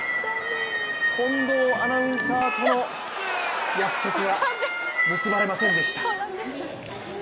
近藤アナウンサーとの約束は結ばれませんでした。